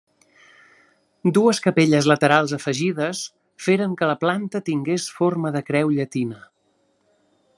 Dues capelles laterals afegides feren que la planta tingués forma de creu llatina.